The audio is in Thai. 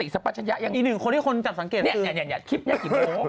อีก๑คนที่คนจะสังเกตฯคลิปแต่กี่โมง